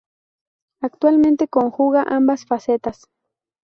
Actualmente conjuga ambas facetas.